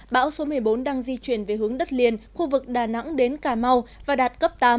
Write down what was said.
bão số một mươi bốn đang di chuyển về hướng đất liền khu vực đà nẵng đến cà mau và đạt cấp tám